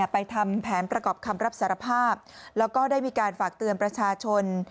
ทำแผนประกอบคำรับสารภาพแล้วก็ได้มีการฝากเตือนประชาชน